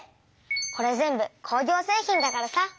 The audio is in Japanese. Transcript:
これ全部工業製品だからさ。